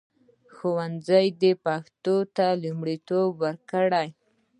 ښوونځي دې پښتو ته لومړیتوب ورکړي.